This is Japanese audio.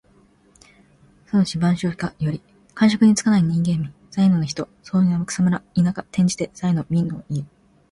『孟子』「万章・下」より。官職に就かない民間人。在野の人。「草莽」は草むら・田舎。転じて在野・民間をいう。